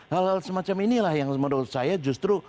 hal hal semacam inilah yang menurut saya justru